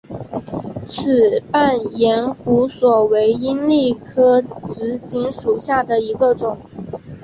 齿瓣延胡索为罂粟科紫堇属下的一个种。